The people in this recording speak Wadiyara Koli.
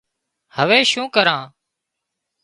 هوي شون ڪران